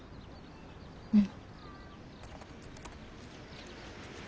うん。